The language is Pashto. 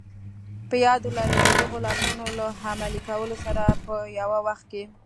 په ياد ولرئ د دغو لارښوونو له عملي کولو سره په يوه وخت کې.